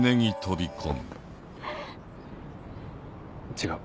違う。